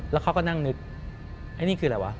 แล้วเขาก็นั่งนึกไอ้นี่คืออะไรวะ